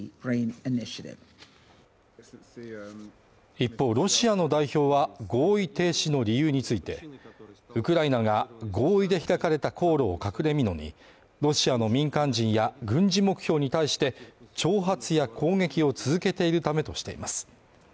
一方、ロシアの代表は合意停止の理由についてウクライナが合意で開かれた航路を隠れ蓑に、ロシアの民間人や軍事目標に対して、挑発や攻撃を続けているためとしています。